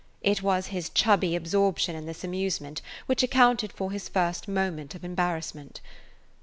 It was his chubby absorption in this amusement which accounted for his first moment of embarrassment.